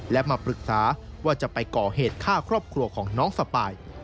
และมาปรึกษาว่าจะไปก่อเหตุฆ่าครอบครัวของน้องสปาย